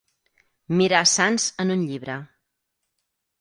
Mirar sants en un llibre.